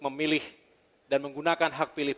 memilih dan menggunakan hak pilih